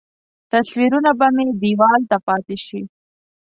تصویرونه به مې دیوال ته پاتې شي.